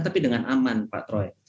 tapi dengan aman pak troy